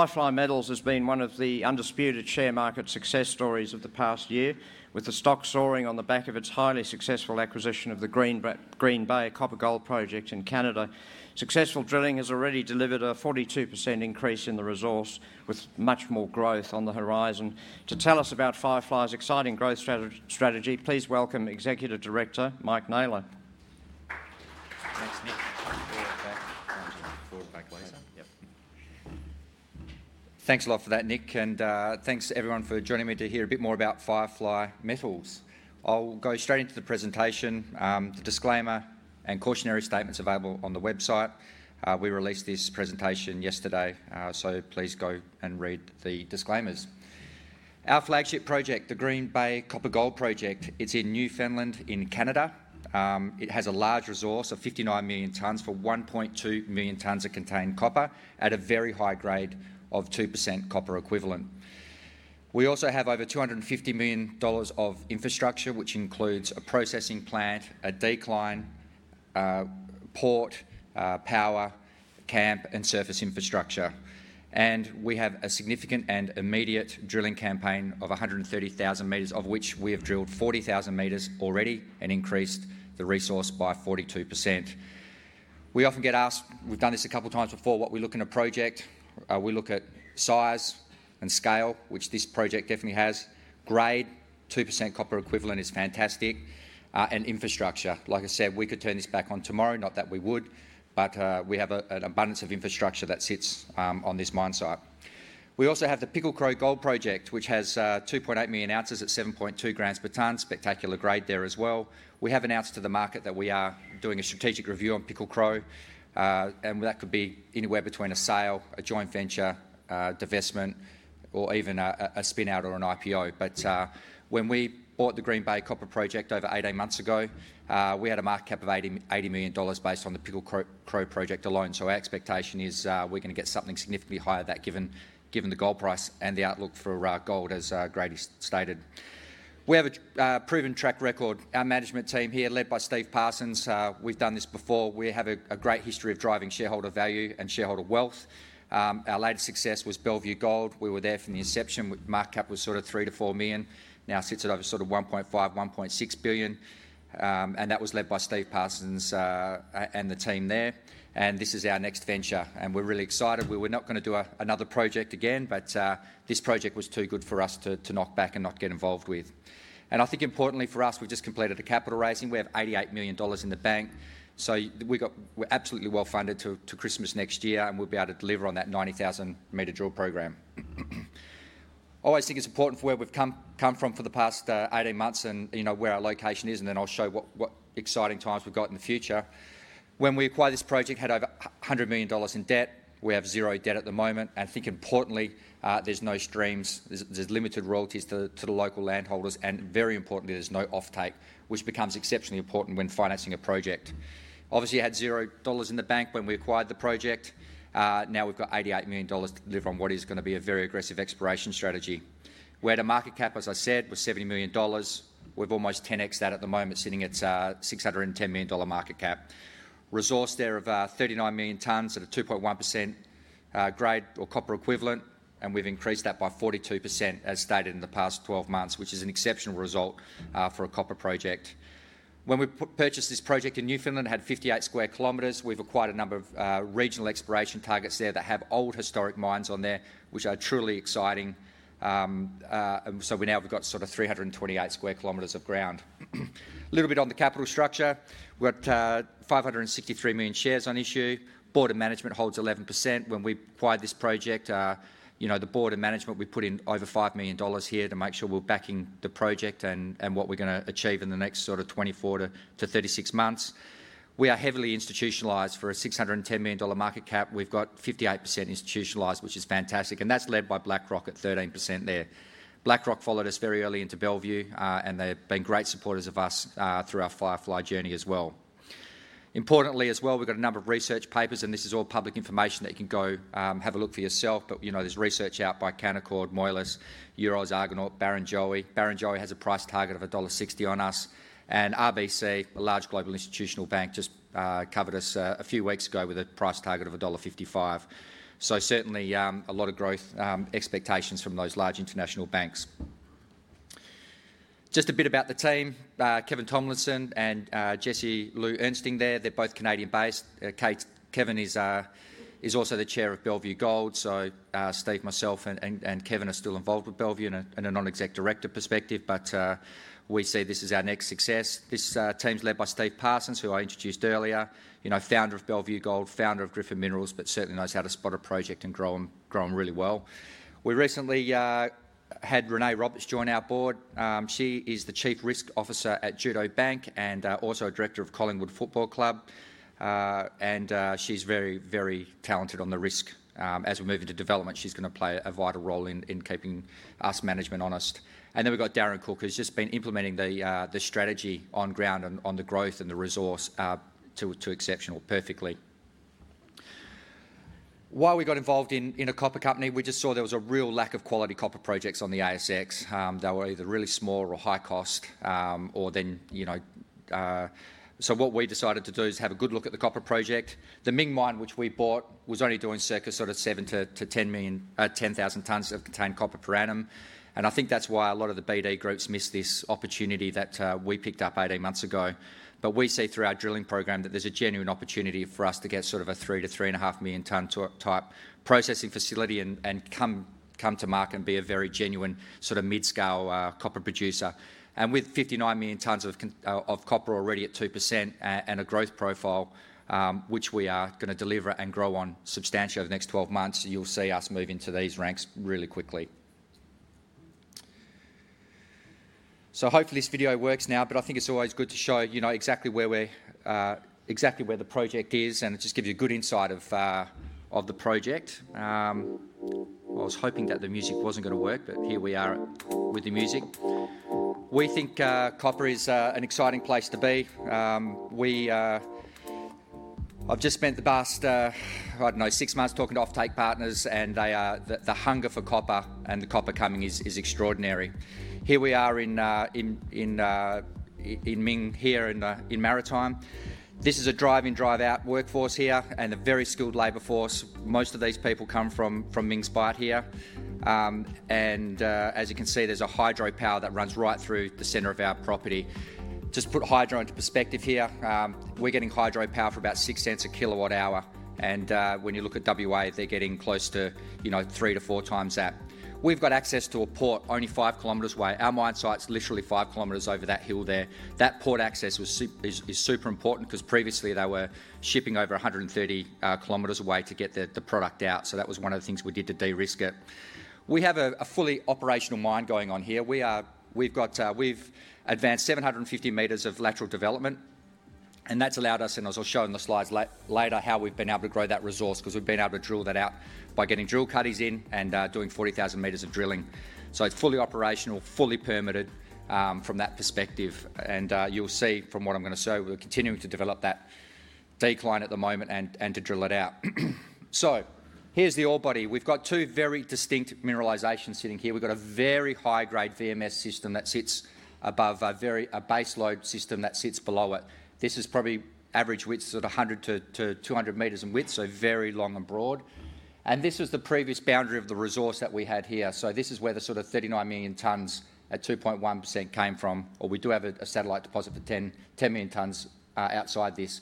FireFly Metals has been one of the undisputed share market success stories of the past year, with the stock soaring on the back of its highly successful acquisition of the Green Bay Copper-Gold Project in Canada. Successful drilling has already delivered a 42% increase in the resource, with much more growth on the horizon. To tell us about FireFly's exciting growth strategy, please welcome Executive Director Mike Naylor. Thanks, Nick. I'll be right back. Back later. Yep. Thanks a lot for that, Nick, and thanks, everyone, for joining me to hear a bit more about FireFly Metals. I'll go straight into the presentation. The disclaimer and cautionary statements are available on the website. We released this presentation yesterday, so please go and read the disclaimers. Our flagship project, the Green Bay Copper-Gold Project, is in Newfoundland in Canada. It has a large resource of 59 million tonnes for 1.2 million tonnes of contained copper at a very high grade of 2% copper equivalent. We also have over 250 million dollars of infrastructure, which includes a processing plant, a decline, port, power, camp, and surface infrastructure. And we have a significant and immediate drilling campaign of 130,000 meters, of which we have drilled 40,000 meters already and increased the resource by 42%. We often get asked - we've done this a couple of times before - what we look in a project. We look at size and scale, which this project definitely has. Grade, 2% copper equivalent, is fantastic. And infrastructure. Like I said, we could turn this back on tomorrow, not that we would, but we have an abundance of infrastructure that sits on this mine site. We also have the Pickle Crow Gold Project, which has 2.8 million ounces at 7.2 grams per tonne. Spectacular grade there as well. We have announced to the market that we are doing a strategic review on Pickle Crow, and that could be anywhere between a sale, a joint venture, divestment, or even a spin-out or an IPO. But when we bought the Green Bay Copper Project over 18 months ago, we had a market cap of 80 million dollars based on the Pickle Crow Project alone. Our expectation is we're going to get something significantly higher than that, given the gold price and the outlook for gold, as Grady stated. We have a proven track record. Our management team here, led by Steve Parsons, we've done this before, we have a great history of driving shareholder value and shareholder wealth. Our latest success was Bellevue Gold. We were there from the inception. Market cap was sort of 3 million-4 million. Now it sits at over sort of 1.5 billion-1.6 billion. And that was led by Steve Parsons and the team there. And this is our next venture. And we're really excited. We were not going to do another project again, but this project was too good for us to knock back and not get involved with. And I think, importantly for us, we've just completed a capital raising. We have 88 million dollars in the bank. We're absolutely well funded to Christmas next year, and we'll be able to deliver on that 90,000-meter drill program. I always think it's important for where we've come from for the past 18 months and where our location is, and then I'll show what exciting times we've got in the future. When we acquired this project, we had over 100 million dollars in debt. We have zero debt at the moment. I think, importantly, there's no streams. There's limited royalties to the local landholders. Very importantly, there's no offtake, which becomes exceptionally important when financing a project. Obviously, we had zero dollars in the bank when we acquired the project. Now we've got 88 million dollars to deliver on what is going to be a very aggressive exploration strategy. We had a market cap, as I said, was 70 million dollars. We've almost 10x'd that at the moment, sitting at 610 million dollar market cap. Resource there of 39 million tonnes at a 2.1% grade or copper equivalent, and we've increased that by 42%, as stated in the past 12 months, which is an exceptional result for a copper project. When we purchased this project in Newfoundland, it had 58 sq km. We've acquired a number of regional exploration targets there that have old historic mines on there, which are truly exciting, and so now we've got sort of 328 sq km of ground. A little bit on the capital structure. We've got 563 million shares on issue. Board of Management holds 11%. When we acquired this project, the board of management, we put in over 5 million dollars here to make sure we're backing the project and what we're going to achieve in the next sort of 24 to 36 months. We are heavily institutionalized for an 610 million dollar market cap. We've got 58% institutionalized, which is fantastic, and that's led by BlackRock at 13% there. BlackRock followed us very early into Bellevue, and they've been great supporters of us through our FireFly journey as well. Importantly as well, we've got a number of research papers, and this is all public information that you can go have a look for yourself, but there's research out by Canaccord, Moelis, Euroz, Argonaut, Barrenjoey. Barrenjoey has a price target of dollar 1.60 on us, and RBC, a large global institutional bank, just covered us a few weeks ago with a price target of dollar 1.55, so certainly a lot of growth expectations from those large international banks. Just a bit about the team. Kevin Tomlinson and Jessie Liu-Ernsting there. They're both Canadian-based. Kevin is also the Chair of Bellevue Gold. So Steve, myself, and Kevin are still involved with Bellevue in a non-exec director perspective, but we see this as our next success. This team's led by Steve Parsons, who I introduced earlier, founder of Bellevue Gold, founder of Gryphon Minerals, but certainly knows how to spot a project and grow them really well. We recently had Renee Roberts join our board. She is the Chief Risk Officer at Judo Bank and also Director of Collingwood Football Club. And she's very, very talented on the risk. As we move into development, she's going to play a vital role in keeping us management honest. And then we've got Darren Cooke, who's just been implementing the strategy on ground and on the growth and the resource to exceptional perfectly. While we got involved in a copper company, we just saw there was a real lack of quality copper projects on the ASX. They were either really small or high cost, or then so what we decided to do is have a good look at the copper project. The Ming Mine, which we bought, was only doing circa sort of 7-10,000 tonnes of contained copper per annum, and I think that's why a lot of the BD groups missed this opportunity that we picked up 18 months ago, but we see through our drilling program that there's a genuine opportunity for us to get sort of a 3 million-3.5 million tonne type processing facility and come to market and be a very genuine sort of mid-scale copper producer, and with 59 million tonnes of copper already at 2% and a growth profile, which we are going to deliver and grow on substantially over the next 12 months, you'll see us move into these ranks really quickly. So hopefully this video works now, but I think it's always good to show exactly where the project is, and it just gives you a good insight of the project. I was hoping that the music wasn't going to work, but here we are with the music. We think copper is an exciting place to be. I've just spent the past, I don't know, six months talking to offtake partners, and the hunger for copper and the copper coming is extraordinary. Here we are in Ming here in Maritime. This is a drive-in, drive-out workforce here and a very skilled labor force. Most of these people come from Ming's Bight here. And as you can see, there's a hydro power that runs right through the center of our property. Just to put hydro into perspective here, we're getting hydro power for about 0.06 per kilowatt hour. When you look at WA, they're getting close to three to four times that. We've got access to a port only five kilometers away. Our mine site's literally five kilometers over that hill there. That port access is super important because previously they were shipping over 130 kilometers away to get the product out. So that was one of the things we did to de-risk it. We have a fully operational mine going on here. We've advanced 750 meters of lateral development, and that's allowed us, and as I'll show in the slides later, how we've been able to grow that resource because we've been able to drill that out by getting drill cuddies in and doing 40,000 meters of drilling. So it's fully operational, fully permitted from that perspective. You'll see from what I'm going to show, we're continuing to develop that decline at the moment and to drill it out. Here's the ore body. We've got two very distinct mineralisations sitting here. We've got a very high-grade VMS system that sits above a base load system that sits below it. This is probably average width, sort of 100-200 meters in width, so very long and broad. This was the previous boundary of the resource that we had here. This is where the sort of 39 million tonnes at 2.1% came from, or we do have a satellite deposit for 10 million tonnes outside this.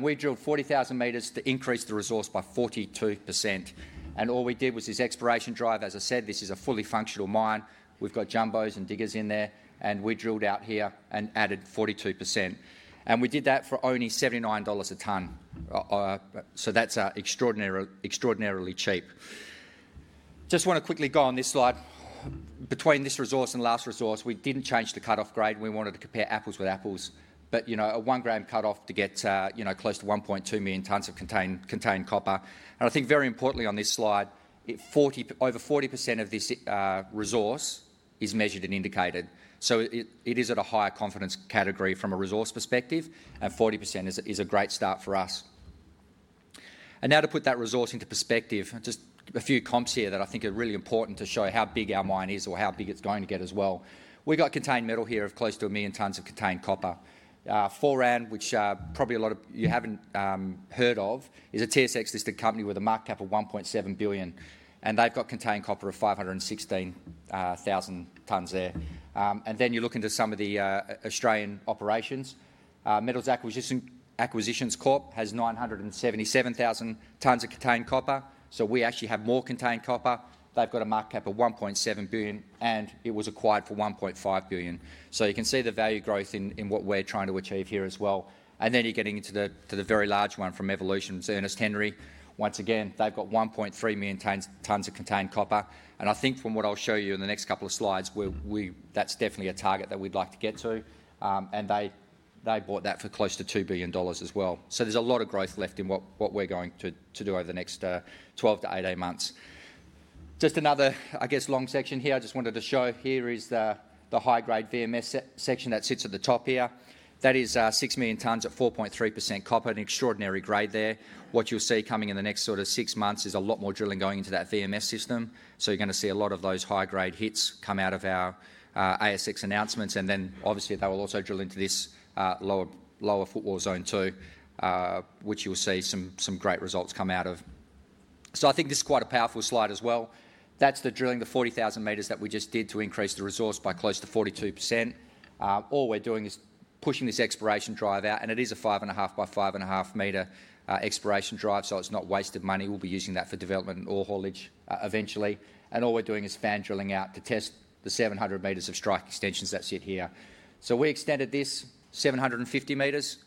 We drilled 40,000 meters to increase the resource by 42%. All we did was this exploration drive. As I said, this is a fully functional mine. We've got jumbos and diggers in there, and we drilled out here and added 42%, and we did that for only 79 dollars a tonne, so that's extraordinarily cheap. Just want to quickly go on this slide. Between this resource and last resource, we didn't change the cut-off grade. We wanted to compare apples with apples, but a one-gram cut-off to get close to 1.2 million tonnes of contained copper, and I think very importantly on this slide, over 40% of this resource is Measured and Indicated, so it is at a higher confidence category from a resource perspective, and 40% is a great start for us, and now to put that resource into perspective, just a few comps here that I think are really important to show how big our mine is or how big it's going to get as well. We've got contained metal here of close to a million tons of contained copper. Foran, which probably a lot of you haven't heard of, is a TSX-listed company with a market cap of 1.7 billion, and they've got contained copper of 516,000 tons there. And then you look into some of the Australian operations. Metals Acquisition Corp has 977,000 tons of contained copper. So we actually have more contained copper. They've got a market cap of 1.7 billion, and it was acquired for 1.5 billion. So you can see the value growth in what we're trying to achieve here as well. And then you're getting into the very large one from Evolution, Ernest Henry. Once again, they've got 1.3 million tons of contained copper. And I think from what I'll show you in the next couple of slides, that's definitely a target that we'd like to get to. They bought that for close to $2 billion as well. There's a lot of growth left in what we're going to do over the next 12-18 months. Just another, I guess, long section here. I just wanted to show here is the high-grade VMS section that sits at the top here. That is 6 million tons at 4.3% copper, an extraordinary grade there. What you'll see coming in the next sort of six months is a lot more drilling going into that VMS system. You're going to see a lot of those high-grade hits come out of our ASX announcements. Then obviously they will also drill into this lower footwall zone too, which you'll see some great results come out of. I think this is quite a powerful slide as well. That's the drilling, the 40,000 meters that we just did to increase the resource by close to 42%. All we're doing is pushing this exploration drive out, and it is a 5.5 by 5.5 meter exploration drive, so it's not wasted money. We'll be using that for development and ore haulage eventually, and all we're doing is fan drilling out to test the 700 meters of strike extensions that sit here, so we extended this 750 meters.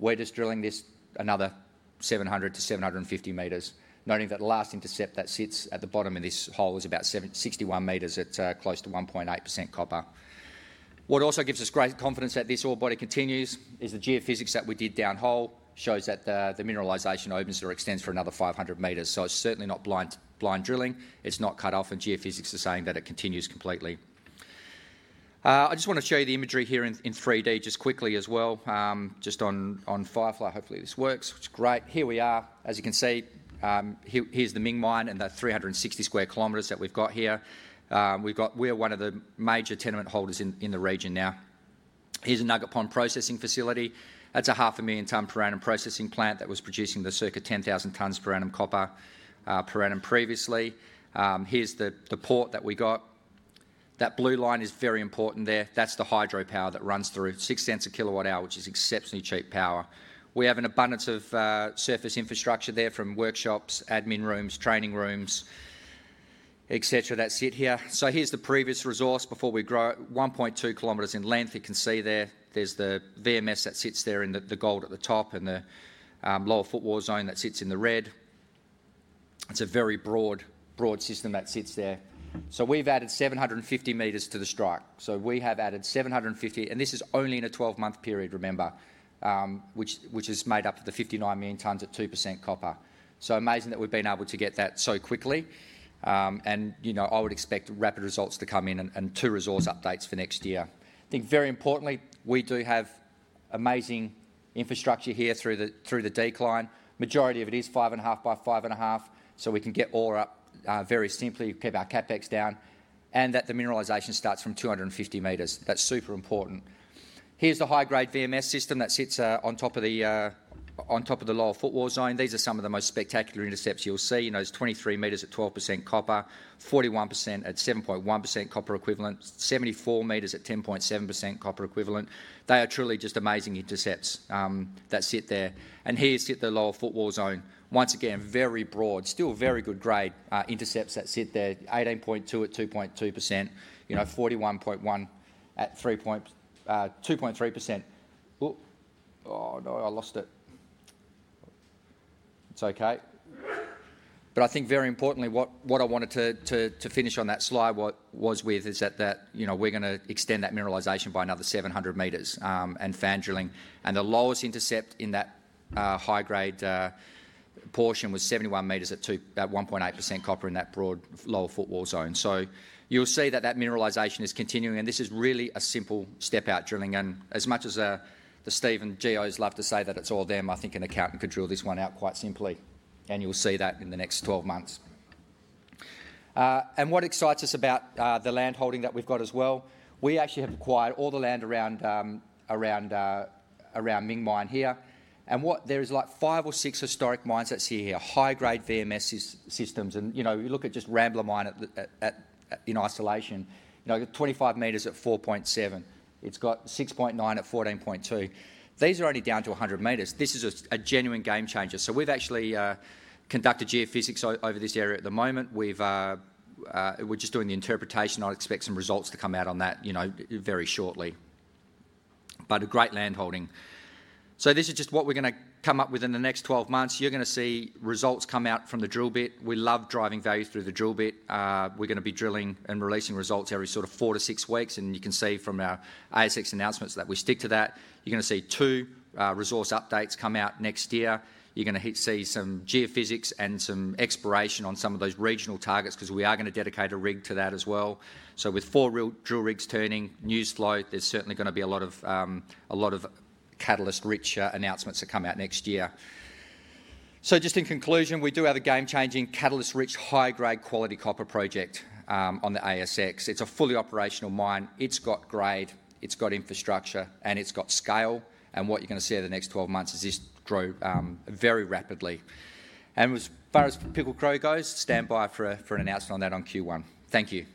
We're just drilling this another 700-750 meters, noting that the last intercept that sits at the bottom of this hole is about 61 meters at close to 1.8% copper. What also gives us great confidence that this ore body continues is the geophysics that we did down hole shows that the mineralization opens or extends for another 500 meters, so it's certainly not blind drilling. It's not cut off, and geophysics are saying that it continues completely. I just want to show you the imagery here in 3D just quickly as well. Just on FireFly, hopefully this works, which is great. Here we are. As you can see, here's the Ming Mine and the 360 square kilometers that we've got here. We're one of the major tenement holders in the region now. Here's a Nugget Pond processing facility. That's a 500,000 tonne per annum processing plant that was producing the circa 10,000 tonnes per annum copper per annum previously. Here's the port that we got. That blue line is very important there. That's the hydro power that runs through 0.06 per kilowatt hour, which is exceptionally cheap power. We have an abundance of surface infrastructure there from workshops, admin rooms, training rooms, etc. that sit here. So here's the previous resource before we grow it, 1.2 kilometers in length. You can see there. There's the VMS that sits there in the gold at the top and the lower footwall zone that sits in the red. It's a very broad system that sits there. So we've added 750 meters to the strike. So we have added 750, and this is only in a 12-month period, remember, which is made up of the 59 million tonnes at 2% copper. So amazing that we've been able to get that so quickly. And I would expect rapid results to come in and two resource updates for next year. I think very importantly, we do have amazing infrastructure here through the decline. Majority of it is 5.5 by 5.5, so we can get ore up very simply, keep our CapEx down, and that the mineralization starts from 250 meters. That's super important. Here's the high-grade VMS system that sits on top of the lower footwall zone. These are some of the most spectacular intercepts you'll see. There's 23 meters at 12% copper, 41% at 7.1% copper equivalent, 74 meters at 10.7% copper equivalent. They are truly just amazing intercepts that sit there. Here's the lower footwall zone. Once again, very broad, still very good grade intercepts that sit there, 18.2 at 2.2%, 41.1 at 2.3%. Oh, no, I lost it. It's okay. But I think very importantly, what I wanted to finish on that slide was with is that we're going to extend that mineralization by another 700 meters and fan drilling. The lowest intercept in that high-grade portion was 71 meters at 1.8% copper in that broad lower footwall zone. You'll see that that mineralization is continuing, and this is really a simple step-out drilling. As much as the Steve and Gio's love to say that it's all them, I think an accountant could drill this one out quite simply, and you'll see that in the next 12 months. What excites us about the land holding that we've got as well? We actually have acquired all the land around Ming Mine here. There is like five or six historic mines that sit here, high-grade VMS systems. You look at just Rambler Mine in isolation, 25 meters at 4.7. It's got 6.9 at 14.2. These are only down to 100 meters. This is a genuine game changer. We've actually conducted geophysics over this area at the moment. We're just doing the interpretation. I'd expect some results to come out on that very shortly. A great land holding. So this is just what we're going to come up with in the next 12 months. You're going to see results come out from the drill bit. We love driving value through the drill bit. We're going to be drilling and releasing results every sort of four to six weeks. And you can see from our ASX announcements that we stick to that. You're going to see two resource updates come out next year. You're going to see some geophysics and some exploration on some of those regional targets because we are going to dedicate a rig to that as well. So with four drill rigs turning, news flow, there's certainly going to be a lot of catalyst-rich announcements that come out next year. So just in conclusion, we do have a game-changing, catalyst-rich, high-grade quality copper project on the ASX. It's a fully operational mine. It's got grade, it's got infrastructure, and it's got scale. And what you're going to see over the next 12 months is this grow very rapidly. And as far as Pickle Crow goes, stand by for an announcement on that on Q1. Thank you.